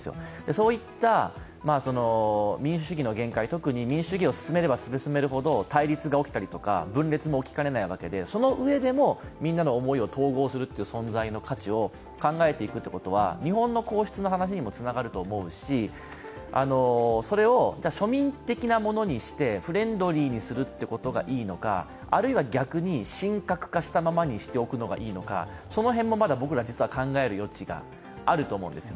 そういった民主主義の限界、特に民主主義を進めれば進めるほど対立が起きたりとか分裂も起きかねないわけでそのうえでのみんなの思いを統合するという存在の価値を考えていくことは日本の皇室の話にもつながると思うし、それを庶民的なものにしてフレンドリーにするということがいいのか、逆に神格化したままにしておくのがいいのかその辺もまだ僕ら考える余地があると思うんです。